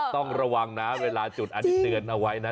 ต้องระวังนะเวลาจุดอันนี้เตือนเอาไว้นะ